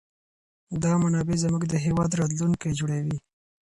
دا منابع زموږ د هېواد راتلونکی جوړوي.